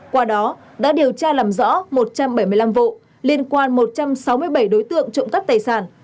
qua đó đã điều tra làm rõ một trăm bảy mươi năm vụ liên quan một trăm sáu mươi bảy đối tượng trộm cắp tài sản